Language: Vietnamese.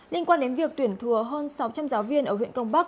liên quan đến việc tuyển thừa hơn sáu trăm linh giáo viên ở huyện công bắc